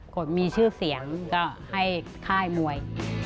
คนมีชื่อเสียงก็ให้ค่ายมวย